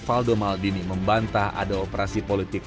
faldo maldini membantah ada operasi politik